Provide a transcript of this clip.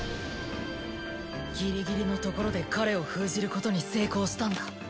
ギリギリのところで彼を封じることに成功したんだ。